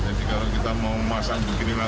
jadi kalau kita mau memasang beginilah